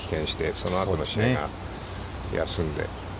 その後の試合は休んで。